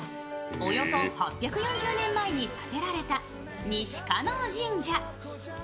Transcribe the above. およそ８４０年前に建てられた西叶神社。